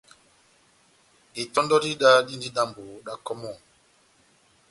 Itɔndɔ dá ida dindi dambi da kɔmɔni